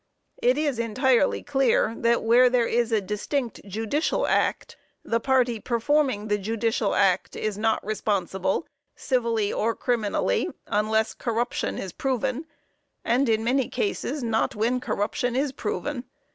It is entirely clear that where there is a distinct judicial act, the party performing the judicial act is not responsible, civilly or criminally, unless corruption is proven, and in many cases not when corruption is proven.